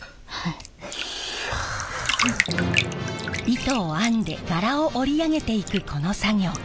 糸を編んで柄を織り上げていくこの作業。